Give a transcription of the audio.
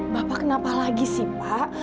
bapak kenapa lagi sih pak